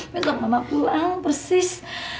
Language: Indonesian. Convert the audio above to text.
besok mama pulang persis